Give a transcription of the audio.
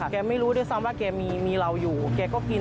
ไม่รู้ด้วยซ้ำว่าแกมีเราอยู่แกก็กิน